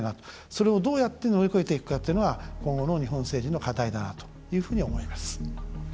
それをどうやって乗り越えていくかっていうのが今後の日本政治の課題だなというふうに思います。